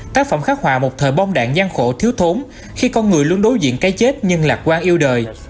tác phẩm khắc họa một thời bong đạn gian khổ thiếu thốn khi con người luôn đối diện cái chết nhưng lạc quan yêu đời